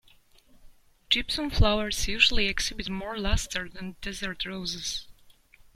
Gypsum flowers usually exhibit more luster than desert roses.